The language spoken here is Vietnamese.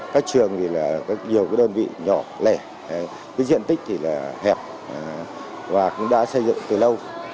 các trường thì là nhiều đơn vị nhỏ lẻ diện tích thì là hẹp và cũng đã xây dựng từ lâu